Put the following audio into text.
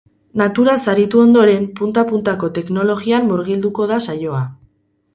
Naturaz aritu ondoren, punta puntako teknologian murgilduko da saioa.